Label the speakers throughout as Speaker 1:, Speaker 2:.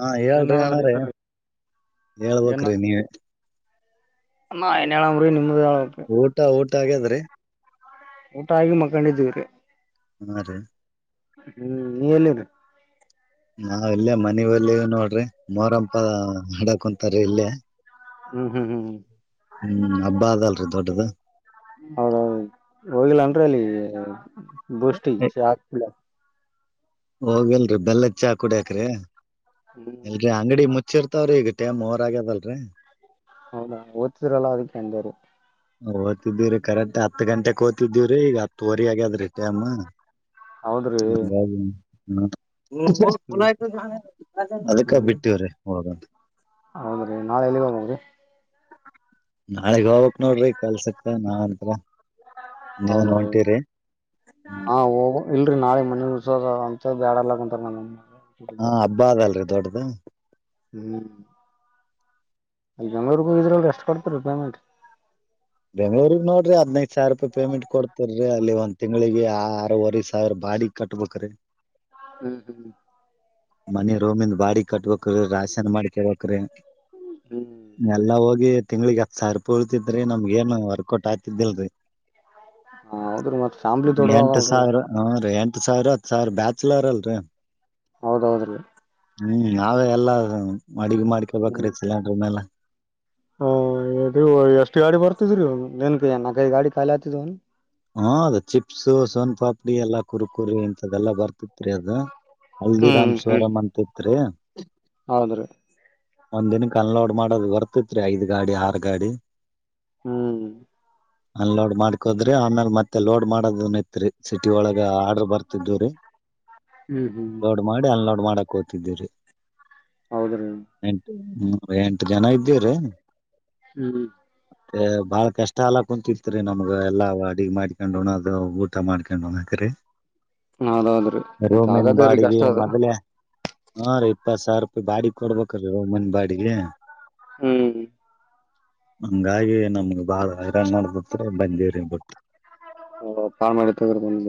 Speaker 1: ಹಾ
Speaker 2: ಏನ್
Speaker 1: ಹೇಳ್ರಿ
Speaker 2: ಮಾಡದ್ರಿ
Speaker 1: ಹಣ್ರ
Speaker 2: ಸರ್ ಏನ್
Speaker 1: ಹೇಳ್ಬೇಮರೃರ್ ನೀವೇ
Speaker 2: [unintelligible]
Speaker 1: ಊಟಾ ಊಟ ಊಟ ಆಗಿದ್ರೆ
Speaker 2: ಊಟ ಆಗಿ ಮಕೊಂಡಿದವರಿೀ
Speaker 1: ಹ ರಿ
Speaker 2: ಹ್ಮ್ ನೀ ಎಲ್ಲಿದ
Speaker 1: ನಾವ ಇಲ್ಲೇ ಮನಲ್ಲ ನೋಡ್ರಿ ಮೋರಂಪ ಹಾಡಕ ಕುಂತಾರೀ ಇಲ್ಲೇ
Speaker 2: ಹ್ಮ್ ಹ್ಮ್ ಹ್ಮ್ ಹ್ಮ್
Speaker 1: ಹ್ಮ್ ಹಬ್ಬ ಅದಲ್ರಿ ದೊಡ್ಡದ
Speaker 2: ಹೌದೌದು ಹೋಗಿಲ್ಲ ಅನ್ರಿ ಅಲ್ಲಿಗೆ [unintelligible]
Speaker 1: ಹೋಗಲ್ರಿ ಬೆಲ್ಲ ಚ ಕುಡಿಯಾಕ್ರಿ
Speaker 2: ಹ್ಮ್
Speaker 1: ಅಂಗಡಿ ಮುಚ್ಚಿರ್ತಾವ್ರೀ ಈಗ ಟಮ್ ಓವರ್ ಆಗ್ಯದಲ್ರರಿ
Speaker 2: ಹೌದಾ ಓದ್ತಿದ್ರಲ್ಲ ಅದಕ್ಕೆ ಅಂದೇರಿ
Speaker 1: ಓದ್ತಿದ್ದೀವ್ರೀ ಕರೆಕ್ಟ್ ಹತ್ತು ಗಂಟೆಕ್ ಓ್ತಿದ್ದೀವ್ರಿ ಈಗ ಹತ್ತುವರಿ ಆಗ್ಯಾದ್ರಿ ಟೇಮ್
Speaker 2: ಹೌದ್ರಿ
Speaker 1: [unintelligible] ಹ್ಮ
Speaker 2: ಹ್ಮ್
Speaker 1: ಅದಕ್ಕ
Speaker 2: ಹ್ಮ್
Speaker 1: ಬಿಟ್ಟವ್ರೀ ಹೋಗೋದು
Speaker 2: ಹೌದ್ರಿ ನಾಳೆ ಎಲ್ಲಿಗೆ ಹೋಗದ್ರಿ
Speaker 1: ನಾಳೆಗ್ ಹೋಗಕ್ ನೋಡ್ರಿ ಕೆಲ್ಸಕ್ ನೀವ
Speaker 2: ಹೌದ್ರಿ
Speaker 1: ನೋಟಿರಿ ಹ್ಮ
Speaker 2: ಇಲ್ರರಿ ನಾಳೆ ಮನ ಅಂತ ಬ್ಯಾಡ ಅಲ್ಲಂತ ನ
Speaker 1: ಹಾ ಹಬ್ಬ ಅದಲ್ರೀ ದೊಡ್ಡ್ದ [inaudible]
Speaker 2: ಹ್ಮ್ ಬೆಂಗಳೂರಗೆ ಹೋಗಿ ಇದ್ರಲ್ಲಿ ಎಷ್ಟ ಕೊಡ್ತೀ ಪೇಮೆಂಟ್
Speaker 1: ಬೆಂಗಳೂರಿಗೆಗ್ ನೋಡ್ರಿ ಹದಿನೈದು ಸಾವಿರ ರೂಪಾಯಿ ಪೇಮೆಂಟ್ ಕೊಡ್ತರರಿೀ ಅಲ್ಲಿ ಒ ತಿಂಗಳಿಗೆ ಆರೂವರೆ ಸಾವಿರ ಬಾಡಿ ಕಟ್ಬೇಕ್ರೀ
Speaker 2: ಹ್ಮ್ ಹ್ಮ್
Speaker 1: ಮನ ರೋಮಿಂದ ಬಾಡಿ ಕಟ್ಬೇಕಕ್್ರೀ ರಾಶನ್ ಮಾಡಕೇಳ್ಬಕ್್ರೀ
Speaker 2: ಹ್ಮ್
Speaker 1: ಎಲ್ಲ ಹೋಗಿ ತಿಂಗಳಿಗೆ ಹತ್ತು ಸಾವಿರ ತೋಳ್ತಿದ್ರೆ ಏನು ವರ್ಕೌಟ್ ಆಗ್ತಿದ್ದಿಲ್ರರಿ
Speaker 2: ಹಾ ಹೌದ್ರಿ ಮತ್ ಫ್ಯಾಮ್ಲಿ
Speaker 1: ಎಂಟು
Speaker 2: ದೊಡ್ಡದದಲ್ರಿ
Speaker 1: ಸಾವಿರ ಹಾ ರೀ ಎಂಟು ಸಾವಿರ ಹತ್ತು ಸರ್ ಬ್ಯಾಚಲರ್ ಅಲ್ರರಿ
Speaker 2: ಹೌದೌದಲ್ಲ
Speaker 1: ಹ್ಮ್ ನಾವೇ ಎಲ್ಲ ಮಡಿಗೆ
Speaker 2: ಹ್ಮ್
Speaker 1: ಮಾಡ್ಕೇಬೇಕ್ರೀ ಸಿಲಿಲೆಂಡರ್ ಮೇಲೆ
Speaker 2: ಹ ಎಷ್ಟು ಗಾಡಿ ಬರ್ತಿದ್ರೀ ನನ್ ಕಕೈ ಗಾಡಿ ಖಾಲಿ ಆಗ್ತಿದನ್
Speaker 1: ಹಾ ಅದ ಚಿಪ್ಸ್ು ಸೋನ್ ಪಾಪಡಿ ಎಲ್ಲಾ ಕುರ್ಕುರಿ ಇಂತದೆಲ್ಲಾ ಬರ್ತಿತ್ರಿ ಅದ ಹಲ್ದಿರಾಮ್ ಸ್ವರಂ ಅಂತ ಹರಿ
Speaker 2: ಹೌದ್ರೀ
Speaker 1: ಒಂದ್ ದಿನಕ್ಕೆ ಅನ್ಲೋಡ್ ಮಾಡದು ಬರ್ತಿತ್ರಿ ಐದ್ ಗಾಡಿ ಆರು ಗಾಡಿ
Speaker 2: ಹ್ಮ್
Speaker 1: ಅನ್ಲೋಡ್ ಮಾಡ್ಕೋದ್ರೆ ೀ ಆಮೇಲೆ ಮತ್ತೆ ಲೋಡ್ ಮಾಡೋದನ್ ಐತ್ರಿ ಸಿಟಿ ಒಳಗ ಆರ್ಡರ್ ಬರ್ತ ಿದ್ದೇರೆ ದೋಡ್ ಮಾಡಿ ಅಲ್ಲಿ ನೋಡ್ ಮಾಡಕ್ ಹತಿದ್ದೀರಿ
Speaker 2: ಹೌದ್ರೀ
Speaker 1: ಹ್ಮ್ ಎಂಟು ಜನ ಇದ್ದೀರ
Speaker 2: ಹ್ಮ್
Speaker 1: ಬಹಳ ಕಷ್ಟ ಅಲ್ಲ ಕುಂತಿತ್ ರರಿ ನಮ್ಗ ಎಲ್ಲಾ ಅಾಡಿಗೆ ಮಾಡ್ಕೊಂಡೋಣ ಅದು ಊಟ ಮಾಡ್ಕೊಂಡ್ೋಣ ಹಾಕ್ರರಿ
Speaker 2: ಹೌದೌದ್ರೀ ಮತ್ತೆ ಹಾಗಾದೇ ರೀ
Speaker 1: ಬಾಡಿಗೆ
Speaker 2: ಕಷ್ಟ ಅದ
Speaker 1: ಮೊದಲೇ ಹಾ ರೀ ಇಪ್ಪತ್ ಸಾವಿರ ರೂಪಾಯಿ ಬಾಡಿ ಕೊಡ್ಬೇಕ್ರೀ ರೋ ಮನ್ ಬಾಡಿಗೆ
Speaker 2: ಹ್ಮ್
Speaker 1: ಹಂಗಾಗಿ ನಮ್ಗೆ ಬಾಳರನ್ ನಬತ್ರ ಬಜೇರಿ ಬಿಟ್ಟು
Speaker 2: ಹ ತಾಳ ಮಾಡಿ ತಗರ್ ಬಂದ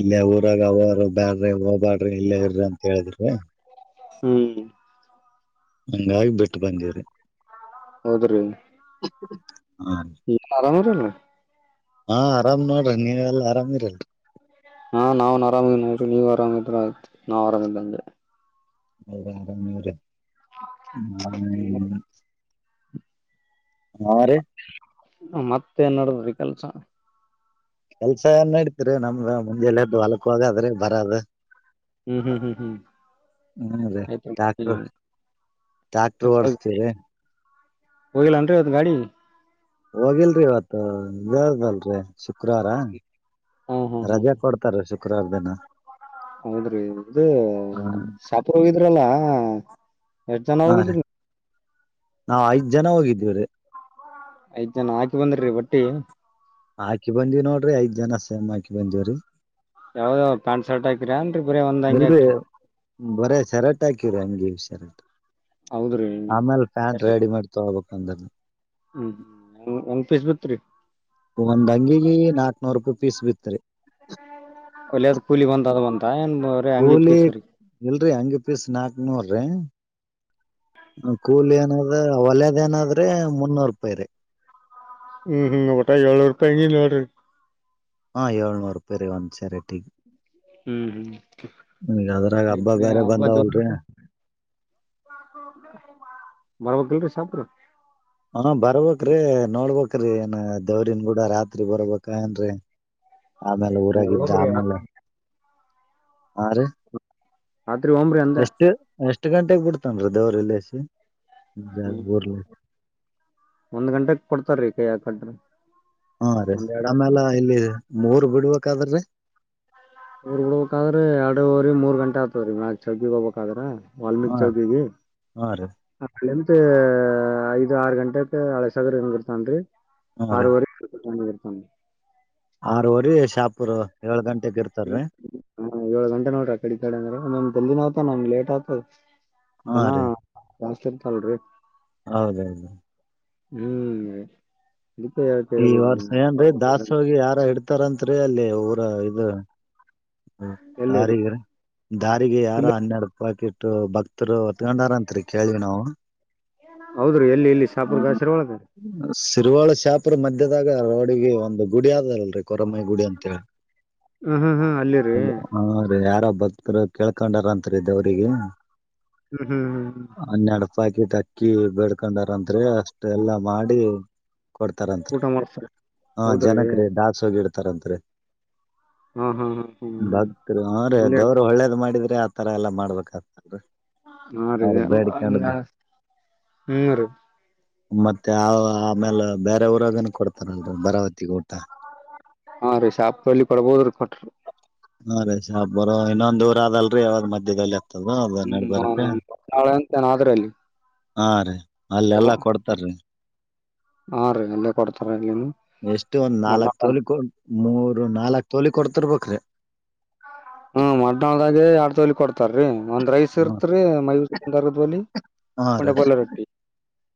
Speaker 1: ಇಲ್ಲೇ ಊರಾಗ ಅವಾರ ಬ್ಯಾಡ್ರಿ ಅವ ಬ್ಯಾಡ್ರಿ ಇಲ್ಲೇ ಇರ್ರಿ ಅಂತ ಹೇಳಿದ್ರಿ
Speaker 2: ಹ್ಮ್
Speaker 1: ಹಂಗಾಗಿ ಬಿಟ್ಟು ಬಂದಿರಿ
Speaker 2: ಹೌದ್ರಿ
Speaker 1: ಹಾ
Speaker 2: ಇ ಆರಾಮಾರಲ್ಲ
Speaker 1: ಹಾ ಆರಾಮ್ ನೋಡ್ರಿ ನೀವೆ ಎಲ್ಲ ಆರಾಮಿರಲ್ರಿ
Speaker 2: ಹಾ ನಾವ್ನ್ ಆರಾಮಿದ ನೋಡ್ರಿ ನೀವ್ ಆರಾಮಿದ್ರ ಆಯ್ತು ನಾವ್ ಆರಾಮಿದಂಗೆ
Speaker 1: ಹೌದಾರ ಹ್ಮ ಅ
Speaker 2: ಮತ್ತೆ ನಡದ್ರಿ ಕೆಲ್ಸ
Speaker 1: ಕೆಲ್ಸ ಏನ್ ನಡಿತತಿರಿ ನಮ್ದ ಮುಂದೆಲ್ಲದ್ದು ಹೊಲಕ್ಕ ಹೋಗಾದ್ರೆ ಬರದ
Speaker 2: ಹ್ಮ್ ಹ್ಮ್ ಹ್ಮ್ ಹ್ಮ್
Speaker 1: ಹ್ಮ ರ ಡಾಕ್ಟರ್
Speaker 2: ಆಯ್ತು
Speaker 1: ಡಾಕ್ಟರ್ ಓಡಸ್ತೀರಿ
Speaker 2: ಹೋಗಿಲ್ಲನ್ರಿ ಅದು ಗಾಡಿ
Speaker 1: ಹೋಗಿಲ್ರಿ ಇವತ್ತು ಜಲ್ರಿ ಶುಕ್ರವಾರ
Speaker 2: ಹ್ಮ್ ಹ್ಮ್ ಹ್ಮ್
Speaker 1: ರಜೆ ಕೊಡ್ತಾರೆ ಶ ಕ್ರಾರದೇನಾ
Speaker 2: ಹೌದ್ರಿ ಇದು ಶಾಪ್ ಹೋಗಿದ್ರಲ್ಲ ಎಷ್ಟ್ ಜನ ಹೋಗಿದ್ರಿ.
Speaker 1: ನಾ ಐದ್ ಜನ ಹೋಗಿದೀವ್ರೀ.
Speaker 2: ಐದ್ ಜನ ಹಾಕಿ ಬಂದರಿ ಬಟ್ಟೆ
Speaker 1: ಹಾಕಿ ಬಂದಿವ್ ನೋಡ್ರಿ ಐದ್ ಜನ ಸೇಮ್ ಹಾಕಿ ಬಂದಿವ್ರಿ.
Speaker 2: ಯಾವ್ದ ಪ್ಯಾಂಟ್ ಶರ್ಟ್ ಹಾಕ್ರಿ ಅನ್ರಿ ಬರೀ ಒಂದ್ ಹಂಗಗೆ ಹಾಕ್ರರಿ.
Speaker 1: ಬರ ಶರ್ಟ ಹಾಕಿ ಅಂಗಿ ಶರ್ಟ.
Speaker 2: ಹೌದ್ರಿ
Speaker 1: ಅಮೇಲೆ ಪ್ಯಾಂಟ್
Speaker 2: ಎಷ್ಟ
Speaker 1: ರೆಡಿ ಮೇಡ್ ತಕೋಬೇಕು. ಒಂದಲೇ
Speaker 2: ಹ್ಮ್ ಒಂದ್ ಪೀಸ್ ಬಿತ್ರಿ
Speaker 1: ನಮ್ ಅಂಗಿಗೆ ನಾಕ್ನೂರ್ ರೂಪಾಯಿ ಪೀಸ್ ಬಿತ್ರಿ.
Speaker 2: ಒಲೆದ್ ಕೂಲಿ [unintelligible]
Speaker 1: ಕೂಲಿ
Speaker 2: ಪೀಸ್ ರೀ
Speaker 1: ಎಲ್ರಿ ಹಂಗಿದ್ ಪೀಸ್ ನಾಕನೂರ್ ರೀ. ಕೂಲಿ ಏನಾದ್ ಒಲದ್ ಏನಾದ್ರೆ ಮುನ್ನೂರು ರೂಪಾಯಿ ರೀ.
Speaker 2: ಹ್ಮ್ ಹ್ಮ್ ಊಟಾ ಏಲ್ನೋರ್ ರೂಪಾಯಿ ಹಂಗಿ ನೋಡ್ರಿ.
Speaker 1: [inaudible]
Speaker 2: ಹ್ಮ್ ಹ್ಮ್.
Speaker 1: ಈಗ ಅದ್ರಾಗ ಹಬ್ಬ ಬೇರೆ ಬಂದಾವಲ್ರಿ
Speaker 2: ಮರವಗಲ್ ರೀ [unintelligible]
Speaker 1: ಹ ಬರ್ಬ್ರೀ ನೋಡ್ಬ್ರಿ ಏನ್ ದವರಿನ್ಗೂಡ ರಾತ್ರಿ ಬರ್ಬ ಏನ್ರರಿ. ಅಮೇಲೆ ಊರಾಗಿದ್ದ
Speaker 2: ಹೋಗ್ರಿ
Speaker 1: ಅಮೇಲೆ
Speaker 2: ರಾತ್ರಿ
Speaker 1: ಹಾ ರಿ
Speaker 2: ಅದ್ರಿ ಒಂಬ್ರಿ ಅಂದೇ
Speaker 1: ಎಷ್ಟು ಗಂಟೆಗೆ ಬಿಡ್ತನ್ ರೀ ದೇವ್ರ ಎಲ್ಲಸಿ
Speaker 2: ಹ್ಮ್
Speaker 1: ಊರ್
Speaker 2: ಒಂದ್ ಗಂಟೆಕ್ ಕೊಡ್ತಾರೀ ಕೈಯಾಗ ಕಟ್ರಿ
Speaker 1: ಹಾ ರೀ
Speaker 2: ಒಂದ್ ಎರಡ್ ಆತ್ರಿ
Speaker 1: ಅಮೇಲ
Speaker 2: ಅಷ್ಟೇ
Speaker 1: ಇಲ್ಲಿ ಮೂರ್ ಬಿಡ್ಬೇಕಾದ್ರೀ
Speaker 2: ಊರ್ ಬಿಡ್ಬೇಕಾದ್ರೆ ಎರಡ್ ಅವರ್ ಮೂರ್ ಗಂಟೆ ಆಗ್ತದ ರೀ ಚಿಗ್ ಹೋಗ್ಬೇಕದ್ರೆ [unintelligible] ವಾಲ್ಮೀಕಿ
Speaker 1: ಹಾ
Speaker 2: ಚೌಕಿಗೆ
Speaker 1: ಹಾ ರೀ
Speaker 2: ಎ... ಐದು ಆರು ಗಂಟೆಕ್ಕೆ ಹಳ ಸಗರಡ್ತನ್ರಿ
Speaker 1: ಹಾ
Speaker 2: ಆರುವರೆ ಹಾ
Speaker 1: ಆರುವರಿ ಶಾಪುರ್ ಏಳು ಗಂಟೆ
Speaker 2: ಹ್ಮ ಹ ಏಳ ಗಂಟೆ ನೋಡ್ರ ಕಡಿತಾಡೆ ಅಂದ್ರೆ [unintelligible] ಹ್ಮ್ ನಂಗೆ ಲೇಟ್ ಆತ
Speaker 1: ಹಾ
Speaker 2: ದನ
Speaker 1: ರೀ
Speaker 2: [unintelligible]
Speaker 1: ಹೌದೌದು
Speaker 2: ಹ್ಮ್ ಅದಕ್ಕೆ ಯಾಕ್
Speaker 1: ಈ
Speaker 2: ಕೇಳಿದ್ರಿ
Speaker 1: ವರ್ಷ
Speaker 2: ನೀವು
Speaker 1: ಏನ್ ಅಂದೇ ದಾಸ
Speaker 2: ಬರ್ಬೇಕಿಲ್ರಿ
Speaker 1: ಹೋಗಿ ಯಾರ ಹಿಡ್ತ ತರತ್ರಿ ಅಲ್ಲಿ ಊರ ಇದು
Speaker 2: ಎಲ್ಲಿರಿ
Speaker 1: ದಾರಿಗೆ ದಾರಿಗೆ ಯಾರ
Speaker 2: ಇಲ್ಲೇ
Speaker 1: ಹನ್ನೆರಡುೂಪಾಯಕಿ ತೊ ಬಾಕ್ ಹೊತ್ ಗಂಡಾರ ಅತ್ರಿ ಕೇಳಿವ ನಾವು
Speaker 2: ಹೌದ್ರಿ ಎಲ್ಲಿ ಇಲ್ಲಿ ಶಾಪುರ್ ಗಾಸರಿ ಒಳಗ
Speaker 1: ಸಿರಿವಾಳ ಶಾಪ್ ಇಪ್ರ ಮಧ್ಯದಾಗ ರೋಡಿಗೆ ಒಂದು ಗುಡಿ ಆದದಲ್ರಿ ಕಮೈಗುಡಿ ಅಂತೇಳಿ
Speaker 2: ಹ್ಮ್ ಹ್ಮ್ ಹ್ಮ್ ಅಲ್ಲಿ ರೀ
Speaker 1: ಅ ಹಾ ರೀ ಯಾರೋ ಭಕ್ತರು ಕೆಲಕಂದವರಂತ್ರಿ ದೇವ್ರಿಗೆ
Speaker 2: ಹ್ಮ್ ಹ್ಮ್ ಹ್ಮ್ ಹ್ಮ್
Speaker 1: ಹನ್ನೆರಡು ಪಾಕಿಟ್ ಅಕ್ಕಿ ಬೆಡ್ಕೊಂಡಾರಂದ್ರ ಅಷ್ಟ ಎಲ್ಲಾ ಮಾಡಿ ಕೊಡ್ತಾರಂತ್ರಿ
Speaker 2: ಊಟ ಮಾಡ್ಸ್ತಾರ
Speaker 1: ಹ
Speaker 2: ಹೌದ್ರಿ
Speaker 1: ಜನಕ ರೀ ದಾಸ ಹೋಗಿಡ್ತ ತರತ್ರಿ
Speaker 2: ಹಾ ಹಾ ಹಾ ಹ್ಮ್
Speaker 1: ಭಕ್ತರು ಅವ್ರ ಅ
Speaker 2: ಅಲ್ಲೇ
Speaker 1: ದವರು ಒಳ್ಳೇದು ಮಾಡಿದ ಆತರ ಎಲ್ಲ ಮಾಡ್ಬೇಕಾಗ್ತದೆ
Speaker 2: ಹಾ ರೀ ಹ್ಮ್ ರೀ
Speaker 1: ಮತ್ತೆ ಆ ಆಮೇಲೆ ಬೇರೆ ಊರಾಗೇನ ಕೊಡ್ತಾರಲ್ರ ಬರಾವತಿಗೆ ಊಟ
Speaker 2: ಹಾ ರೀ ಶಾಪ್ಲ್ ಕೊಡ್ಬೋದ್ರೀ ಕೊಟ್ರಿ
Speaker 1: ಹಾ ರಷಾ ಹಬ್ಬರೋ ಇನ್ನೊಂದ್ ಊರ ಅದಲ್ರಿ ಯಾವಾಗ್ ಮಧ್ಯದಲ್ಲಿ ತಗ ಬ ನಡ್ಬಾರಕ
Speaker 2: ಹ್ಮ್ ನಾಳೆ ಅಂತೇನಾದ್ರಿ ಅಲ್ಲಿ
Speaker 1: ಹಾ ರೀ ಅಲ್ಲ ಎಲ್ಲಾ ಕೊಡ್ತಾರೀ
Speaker 2: ಹಾ ರೀ ಅಲ್ಲೇ ಕೊಡ್ತಾರ ಇಲ್ಲಿನು
Speaker 1: ಎಷ್ಟು ಒಂದ್ ನಾಲ್ಕ್ ತೋಲಿ ಕೊ ಮೂರು ನಾಲ್ಕ್ ತೋಲಿ ಕೊಡ್ತಿರ್ಬೇಕು ಕ್ರೆ
Speaker 2: ಹ್ಮ ಮನಾಳದಾಗೆಡ್ ತಲ್ ಕೊಟ್ಟ ಇರ್ತಾರೀ ಒಂದ್ ರೈಸ್ ಇರ್ತ್ರಿ ಮೈೂ ಒಂದ ಅರದಲಿ
Speaker 1: ಹಾ ರೀ
Speaker 2: ಮಂಡೆಪಲ್ಲ ರೊಟ್ಟಿ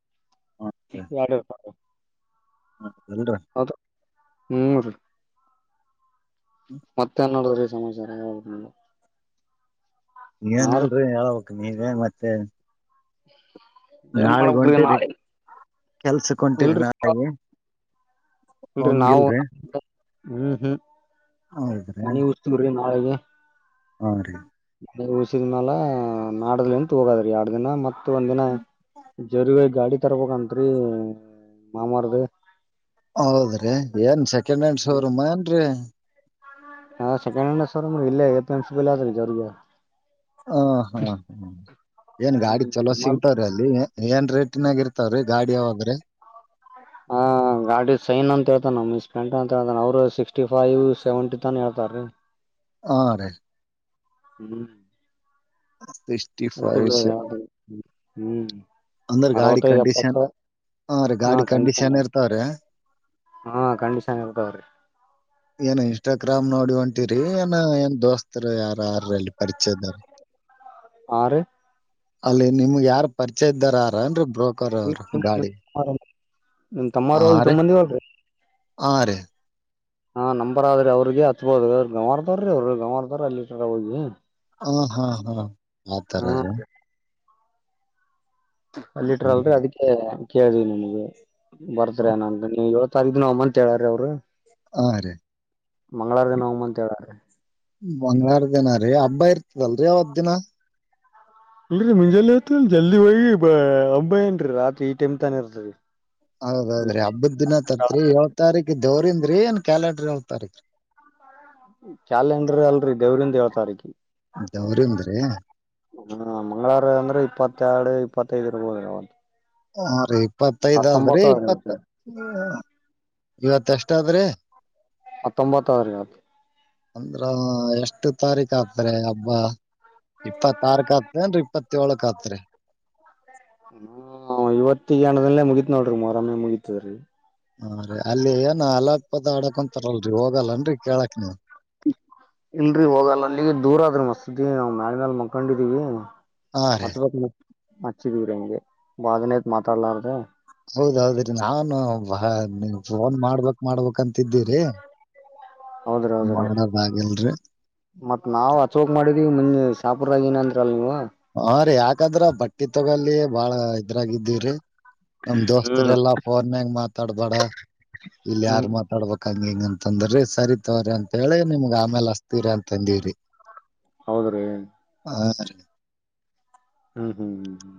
Speaker 2: [unintelligible] ಹೌದ
Speaker 1: [unintelligible]
Speaker 2: ಹ್ಮ್ ರೀ ಮತ್ತೆ ಏನ್ ನೋಡುದ್ರಿ ಸಮಾಚಾರ ಹೇಳ್ಬೇಕ್ ನೀವೇ
Speaker 1: ಏನಿಲ್ರಿ ಹೇಳ್ಬೇಕ್ ನೀವೇ ಮತ್ತೆ
Speaker 2: ಏನ್
Speaker 1: ನಾಳಗ್
Speaker 2: ಮಾಡ್ಬೇಕ್ರಿ
Speaker 1: ಹೊಂಟಿರಿ
Speaker 2: ನಾಳೆ
Speaker 1: ಕೆಲ್ಸಕ್
Speaker 2: ಇಲ್ರಿ
Speaker 1: ಹೊಂಟಿರಿನಾಳೆಗೆ
Speaker 2: ಇಲ್ರಿ ನಾವು
Speaker 1: ಅವನ್ಗೆಲ್ ರೇ
Speaker 2: ಹ್ಮ್ ಹ್ಮ್ ಮನ ಹಸ್ತ ಬ್ರಿ ನಾಳೆಗೆ
Speaker 1: ಹಾ ರೀ
Speaker 2: ಬ ಉಸಿದ್ ಮಾಲ ನಾಡ್ ಎಂತ ಹೋಗಾದ್ರಿ ಎರಡ್ ದಿನ ಮತ್ತೆ ಇ ಒಂದಿನ ಜರಿಗ ಗಾಡಿ ತರಪ ಕಂತ್ರಿ ಮಾಮಾರದು
Speaker 1: ಹೌದ್ರಿ ಏನ್ ಸೆಕೆಂಡ್ ಹ್ಯಾಂಡ್ ಶೋರೂಮ ಏನ್ರರಿ
Speaker 2: ಹಾ ಸೆಕಂಡ ಹಂಡ ಸರ್ ಇಲ್ಲ ಜಾರ
Speaker 1: ಹ ಹಾ ಹ್ಮ್ ಏನ್ ಗಾಡಿ ಚಲೋ
Speaker 2: ಸುಮಾರ
Speaker 1: ಸಿಗ್ತವ್ರೀ ಅಲ್ಲಿ ಏನ್ ರೇಟಿನಾಗ ಇರ್ತಾವ್ರೀ ಗಾಡಿ ಯಾವಾಗ್ರೆ
Speaker 2: ಹ ಗಾಡಿ ಸೈನ್ ಅಂತ ಹೇತಾನ ನಮ ಮಿಸ್ಫಂಟ್ ಅಂತ ಹೇಳ್ತಾನ ಅವರು ಸಿಕ್ಸ್ಟಿ ಫೈವ್ ಸೆವೆಂಟಿ ತಾನ ಹೇಳ್ತಾರೀ
Speaker 1: ಹಾ ರೀ
Speaker 2: ಹ್ಮ್
Speaker 1: ಸಿಕ್ಸ್ಟಿ
Speaker 2: ಅ
Speaker 1: ಫೈವ್
Speaker 2: ಯ ಹ್ಮ್
Speaker 1: ಅಂದ್ರ ಗಾಡಿ
Speaker 2: ಅರವತ್ತದಪ್ಪಕ್ಷ
Speaker 1: ಕಂಡೀಷನ್ ಹಾ ರೀ
Speaker 2: ಹ
Speaker 1: ಗಾಡಿ
Speaker 2: ಕಂಡನ್
Speaker 1: ಕಂಡೀಷನ್ ಇರ್ತಾವ್ರಿ
Speaker 2: ಹಾ ಕಂಡೀಷನ್ ಇರ್ತಾವ್ರೀ
Speaker 1: ಏನ್ ಇನ್ಸ್ಟಗ್ರಾಮ್ ನೋಡಿ ಹೊಂಟಿರಿ ಏ ಏನ್ ದೋಸ್ತ್ ಅತ್ರ ಆರ ಆರರ ಅಲ್ಲಿ ಪರಿಚಯಂದ
Speaker 2: ಹಾ ರೀ
Speaker 1: ಅಲ್ಲಿ ನಿಮ್ಗ್ ಯಾರಾರ್ ಪರಿಚಯ ಇದ್ದಾರಾರ ಅನ್ ಬ್ರ
Speaker 2: ನಿ ತಮ್ಮಾರ ತೊಂಬಂದಿ
Speaker 1: ಆ ರ
Speaker 2: ಹಾ ನಂಬರ್ ಆದ್ರೆ ಅವ್ರಗೆ ಹಚ್ಬೋದು ಗವರ್ದವ್ರಿ ಅವ್ರ ಗವರ್ದವ ಅಲ್ಲಿಟ್ರ ಹೋಗಿ
Speaker 1: ಹ ಹಾ ಹಾ ಆ
Speaker 2: ಹ್ಮ
Speaker 1: ತರರ
Speaker 2: ಅಲ್ಲಿಟ್ರ ಅಲ್ರರಿ ಅದಕ್ಕೆ ಕದು ನಿಮಗೆ ಬರ್ತ್ ನ ನೀವು ಇವತ್ತು ಸರಿದ ನ ಅಮ್ಮ ಅಂತ ಹೇಳಾರ ಅವ್ರು
Speaker 1: ಹಾ ರೀ
Speaker 2: ಮಂಗಳವಾರದ ನ ಹಮನ್ಂತವ
Speaker 1: ಮಂಗಲರ ದಿನ ರೀ ಹಬ್ಬ ಇರ್ತದಲ್ರಿ ಯಾವತ್ ದಿನ
Speaker 2: ಇಲ್ರರಿ ಮುಂಜಾಲೆ ಇತ್ ಜಲ್ದಿ ಹೋಗಿ ಒಂಬೈ ಏನ ರಿ ರಾತ್ರಿ ಈ ಟೈಮ್ ತಾನ ಇರತ್ರಿ
Speaker 1: ಹೌದೌದ್ರೀ ಹಬ್ಬದ ದಿನ ತತ್ರಿ ಏಳ್ ತಾರೀಕು ದವರಿಂದ ಏನ್ ಕ್ಯಾಲೆಂಡರ್ ಯಾವ ತಾರೀಕ
Speaker 2: [unintelligible]
Speaker 1: ದೇವ್ರಿಂದ್ರಿ
Speaker 2: ಹ್ಮ ಮಂಗಳವಾರ ಅಂದ್ರೆ ಇಪ್ಪತ್ತು ಎರಡು ಇಪ್ಪತ್ತೈದು
Speaker 1: ಹ ರೀ ಇಪ್ಪತ್ತೈದ್ರಿ
Speaker 2: ಹತ್ತೊಂಬತ್ತು ಆದ್ರಿ
Speaker 1: ಇಪ್ಪತ್
Speaker 2: ಇವತ್ತು
Speaker 1: ಇವತ್ ಎಷ್ಟಾದ್ರೆ
Speaker 2: ಹತ್ತೊಂಬತ್ತ ಆದ್ರತ್ತು
Speaker 1: ಅಂದ್ರ ಎಷ್ಟು ತಾರೀಕ್ ಆತ್ರಿ ಹಬ್ಬ ಇಪ್ಪತ್ತಾರಕ್ ಆತ್ ಅನ್ರಿ ಇಪ್ಪತ್ ಏಳಕ್ ಆತ್ರಿ
Speaker 2: ಹ ಇವತ್ತ ಎಡದಲ್ಲೇ ಮುಗೀತ್ ನೋಡ್ರಿ ಮರಮ್ಮೇ ಮುಗತದ್ರೀ
Speaker 1: ಹಾ ರೀ ಅಲ್ಲಿ ಏನ ಅಲಪದ ಆಡಕೊಂತಾರಲ್ರರಿ ಹೋಗಲ್ಲನ್ರರಿ ಕೇಳಕ್ ನೀವ್
Speaker 2: ಇಲ್ರರಿ ಹೋಗಲ್ಲ ಅಲ್ಲಿಗೆ ದೂರ ಆದ್ರಿ ಮಸ್ದಿ ನಾವ್ ಮ್ಯಾಲ ಮ್ಯಾಲ ಮಕೊಂಡಿದೀವಿ
Speaker 1: ಹಾ ರೀ
Speaker 2: [unintelligible] ಹಚ್ಚಿದೀವ್ರ ಹೆಂಗೆ ವಾಗನೇತ್ ಮಾತಾಡ್ಲಾರ್ದ.
Speaker 1: ಹೌದೌದ್ರೀ ನಾಾನು ಬ ನೀ ಫೋನ್ ಮಾಡ್ಬಕ್ ಮಾಡ್ಬೇಕಕ್ಂತಿದ್ದೀರಿ
Speaker 2: ಹೌದ್ರಿ ಹೌದ್ರೀ ಮತ್ತ್ ನಾವ್ ಅಚೋಕ್ ಮಾಡಿದ್ವಿ ನಿಮ್ಗೆ [unintelligible]
Speaker 1: ಜತಲ್ಲಿ ಬಾಳ ಇದ್ರಾಗಿದ್ದೀವರಿ ನಮ್
Speaker 2: ಹ್ಮ್
Speaker 1: ದೋಸ್ತರೆ ಎಲ್ಲಾ ಫೋನ್ ಮ್ಯಾಗ ಮಾತ್ ತಡದಡ ಇಲ್ಲಿ ಯಾರು
Speaker 2: ಹ್ಮ್
Speaker 1: ಮಾತಾಡ್ಬೇಕ ಅಂಗ ಹಿಂಗ ಅಂತಂದ್ರಿ ಸರಿ ತವ್ರಿ ಅಂತ ಹೇಳಿ ನಿಮ್ಗ್ ಆಮೇಲೆ ಅಸ್ತವ್ರ ಅಂತ ಅಂದಿರಿ.
Speaker 2: ಹೌದ್ರೀ
Speaker 1: ಹಾ
Speaker 2: ಹ್ಮ್ ಹ್ಮ್ ಹ್ಮ್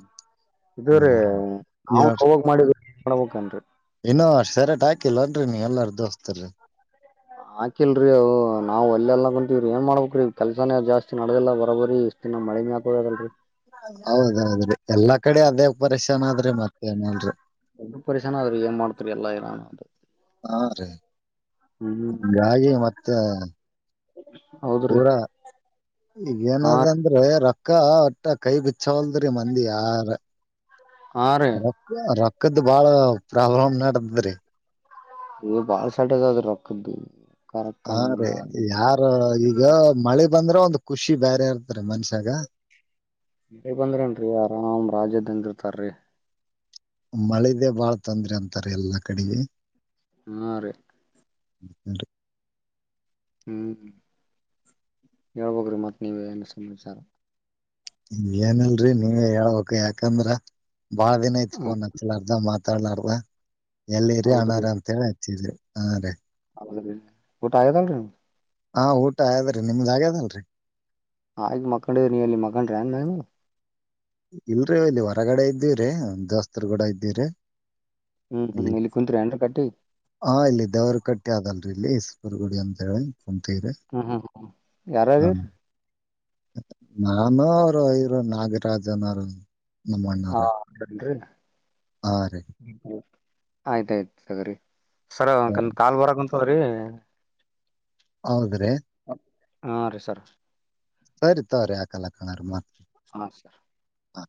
Speaker 1: ಹ್ಮ್
Speaker 2: [unintelligible]
Speaker 1: ಸರಟ್ ಹಾಕಿಲ್ಲ ನ್ರರಿ ನೀ ಎಲ್ಲಾರ ದೋಸ್ತರು
Speaker 2: ಹಾಕಿಲ್ರಿವು ನಾವ್ ಅಲ್ಲೆಲ್ಲ ಕುಂತೀವ್ರಿ ಏನ್ ಮಾಡ್ಬೇಕಕ್ರಿ ಕೆಲ್ಸಾನ ಜಾಸ್ತಿ ನಡ್ದಿಲ್ಲ ಬರೋಬರಿ ಇಷ್ಟ ದಿನ ಮಳೆ ನೆ ಆಕೋದ ಅದಲ್ರರಿ.
Speaker 1: ಹೌದೌದ್ರಿ ಎಲ್ಲಾ ಕಡೆ ಅದೇ ಪರಿಶನ್ ಆದ್ರೆ ಮತ್ತೇಏನಲ್ರಿ.
Speaker 2: ಸ್ಲ್ಪ ಪರಿಷಾನ ಆದ್ರರು ಏನ್ ಮಾಡ್ತರಿ ಎಲ್ಲಾ ನಾನು ಅಂತ.
Speaker 1: ಹಾ ರೀ [unintelligible] ಹ
Speaker 2: ಹೌದ್ರಿ
Speaker 1: ಹಾ ಈಗ
Speaker 2: ಹಾ
Speaker 1: ಏನದಂದ್ರೆ ರಕ್ತ ಅಕ್ಕ ಒಟ್ಟ ಕೈ ಬಿಚ್ಚಾವಲ್ದ್ರಿ ಮಂದಿ ಯಾರ
Speaker 2: ಹಾ ರೀ
Speaker 1: [unintelligible] ಪಕ್ಕದ್ದ ಬಾಳ ಪ್ರಾಬ್ಲಮ್ ನಡೆದದ್ರಿ.
Speaker 2: ಈ ಬಾಳ ಸದ ಅದ ರೋಕ್ದು.
Speaker 1: ಹಾ ರೀ ಯಾರ ಈಗ ಮಳೆ ಬಂದ್ರೆ ಒಂದ್ ಖುಷಿ ಬೇರೆ ಇರ್ತ್ರ ಮನ್ಷ್ಯಾಗ
Speaker 2: ಮ ಬಂದ್ರನ್ರರಿ ಆರಾಮ್ ರಾಜ್ಯದ್ದಂದ ಇರ್ತಾರಿ
Speaker 1: ಮಳದೆ ಬಾಳ್ ತೊಂದ್ರೆ ಅಂತಾರೆ ಎಲ್ಲಾ ಕಡೆಗೆ
Speaker 2: ಹ್ಮ ರೀ
Speaker 1: ಹರಿ
Speaker 2: ಹ್ಮ್ ಹೇಳ್ಬ್ರಿ ಮತ್ತ ನೀವ ಏನು ಸಮಾಚಾರ
Speaker 1: ಏನಲ್ರರಿ ನೀವ ಹೇಳ್ಬೇಕ ಯಾಕಂದ್ರ ಭಳೆಿನ
Speaker 2: ಹ
Speaker 1: ಐತ್ುೋ ನ ಚಲರ್ದ ಮ ಮಾತ ಹ ತಳ ನಾರ ಎಲ್ಲಿ ಇರಿ
Speaker 2: ಹೌದ್ರಿ
Speaker 1: ಅನಾರ ಅಂತ ಹೇಳಿ ಹಚ್ಚಿದಿ ಹಾ ರ
Speaker 2: ಊಟ ಆಯದಟ
Speaker 1: ಹಾ ಊಟ ಆದದ್ರಿ ನಿಮ್ದ್ ಹಾಗಗ್ಯದಲ್ರರಿ
Speaker 2: ಆಯಗ ಮಕ್ಕೊಂಡ್ರ ನೀ ಅಲ್ಲಿ ಮಗಂಡ್ರ ಅನ್ ಮವು
Speaker 1: ಇಲ್ರೀ ಇಲ್ಲಿ ಹೊರಗಡೆ ಇದ್ದೀವ್ರೀ ಒ ದೋಸ್ತರು ಕೂಡ ಇದ್ದೀರಿ
Speaker 2: ಹ್ಮ್ ಹ್ಮ್
Speaker 1: ಇಲ್ಲಿ
Speaker 2: ಕುಂತ್ರಿ ಏನ್ರಿ ಕಟ್ಟಿ
Speaker 1: ಹಾ ಇಲ್ಲಿ ದವರು ಕಟ್ಟೆ ಆಲ್ರು ಇಲ್ಲಿ ಪರುಗಡಿ ಅಂತ ಹೇಳಿ ಕುಂತೀವ್ರಿ
Speaker 2: ಹ್ಮ ಹ್ಮ ಹ್ಮ
Speaker 1: ಹಾ
Speaker 2: ಯಾರಾರಾರ
Speaker 1: ನಾನು ಅವರು ಇರು ನಾಗ ರಾಜ ನಾರಾಯಣ್ ನಮ್ಮಣ್ಣರ
Speaker 2: ಹಾ
Speaker 1: ಆರು
Speaker 2: ಆಯ್ತಾಯ್ತು ತಗ್ರಿ ಸರಿಕ ಕಾ ಬರ ಸರಿ
Speaker 1: ಆದ್ರೆ
Speaker 2: ಹಾ ರೀ ಸರ್
Speaker 1: ಸರಿ ತರಿ ಆ ಕಲ ಕಳರ್ ಮತ್
Speaker 2: ಹಾ ಸರ್
Speaker 1: ಪ್ಪ